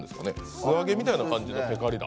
素揚げみたいな感じのテカりだ。